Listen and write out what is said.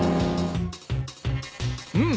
うん。